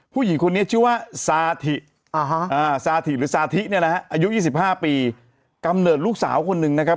ผู้หญิงคนนี้ชื่อว่าซาถิซาถิหรือซาทิเนี่ยนะฮะอายุ๒๕ปีกำเนิดลูกสาวคนหนึ่งนะครับ